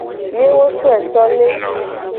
Ye wo soe so le.